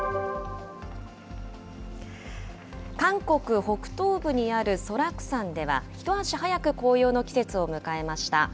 韓国北東部にあるソラク山では、一足早く紅葉の季節を迎えました。